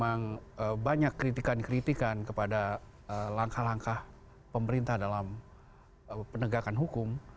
memang banyak kritikan kritikan kepada langkah langkah pemerintah dalam penegakan hukum